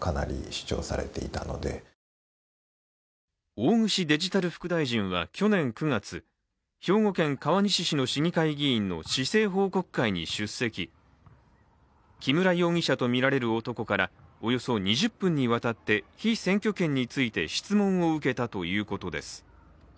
大串デジタル副大臣は去年９月、兵庫県川西市の市議会議員の市政報告会に出席木村容疑者とみられる男からおよそ２０分にわたって被選挙権について質問を受けたということです